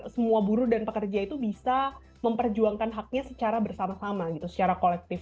semua buruh dan pekerja itu bisa memperjuangkan haknya secara bersama sama gitu secara kolektif